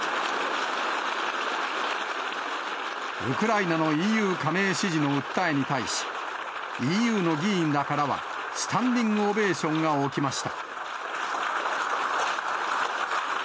ウクライナのＥＵ加盟支持の訴えに対し、ＥＵの議員らからは、スタンディングオベーションが起きました。